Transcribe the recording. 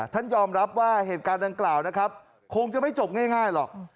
ท่านยอมรับว่าเหตุการณ์ดังกล่าวนะครับคงจะไม่จบง่ายหรอก